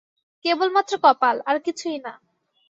কেবলমাত্রই কপাল, আর-কিছুই না!